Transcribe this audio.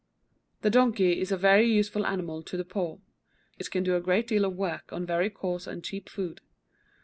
The Donkey is a very useful animal to the poor. It can do a great deal of work on very coarse and cheap food.